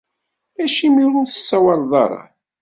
Acimi ur as-tsawaleḍ ara?